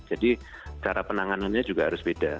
jadi cara penanganannya juga harus beda